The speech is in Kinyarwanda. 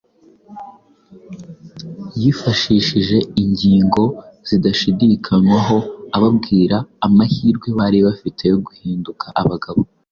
Yifashishije ingingo zidashidikanywaho, ababwira amahirwe bari bafite yo guhinduka abagabo